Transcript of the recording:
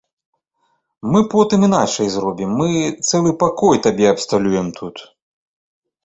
Мы потым іначай зробім, мы цэлы пакой табе абсталюем тут.